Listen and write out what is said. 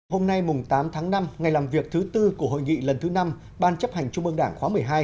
hôm nay tám tháng năm ngày làm việc thứ tư của hội nghị lần thứ năm ban chấp hành trung ương đảng khóa một mươi hai